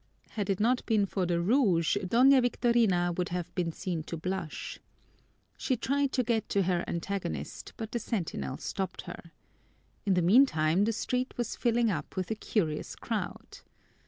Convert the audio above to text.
Had it not been for the rouge, Doña Victorian would have been seen to blush. She tried to get to her antagonist, but the sentinel stopped her. In the meantime the street was filling up with a curious crowd.